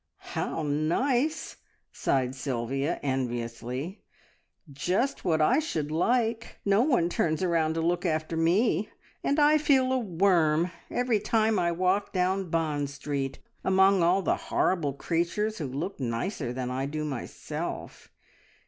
"How nice!" sighed Sylvia enviously. "Just what I should like. No one turns round to look after me, and I feel a worm every time I walk down Bond Street among all the horrible creatures who look nicer than I do myself.